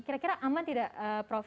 kira kira aman tidak prof